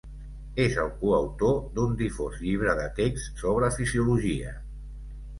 És el coautor d'un difós llibre de text sobre fisiologia.